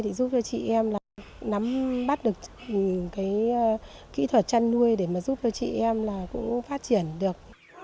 để giúp cho chị em bắt được kỹ thuật chăn nuôi để giúp cho chị em phát triển được